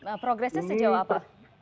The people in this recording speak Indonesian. nah progresnya sejauh apa